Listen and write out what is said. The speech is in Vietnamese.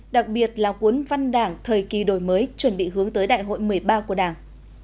đặc biệt là cuốn văn đảng thời kỳ đổi mới chuẩn bị hướng tới đại hội một mươi ba của đảng